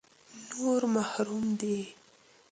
نور محروم دي.